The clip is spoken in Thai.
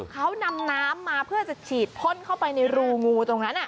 เขานำน้ำมาเพื่อจะฉีดพ่นเข้าไปในรูงูตรงนั้น